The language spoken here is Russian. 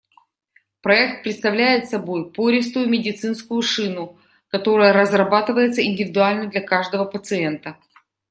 Проект представляет собой пористую медицинскую шину, которая разрабатывается индивидуально для каждого пациента.